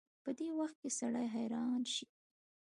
په دې وخت کې سړی حيران شي.